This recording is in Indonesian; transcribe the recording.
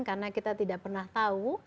karena kita tidak pernah tahu